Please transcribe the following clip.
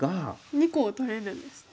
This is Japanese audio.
２個取れるんですね。